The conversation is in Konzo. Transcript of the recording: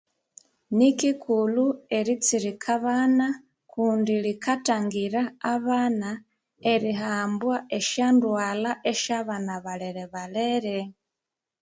Nikikulhu eritsirika abana kundi rikatsirika abana erihamba esyondwalha esyabana balere